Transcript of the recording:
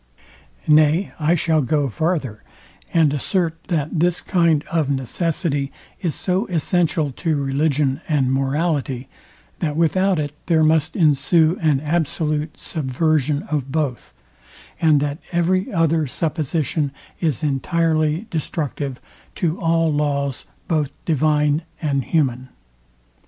Nay I shall go farther, and assert, that this kind of necessity is so essential to religion and morality, that without it there must ensue an absolute subversion of both, and that every other supposition is entirely destructive to all laws both divine and human.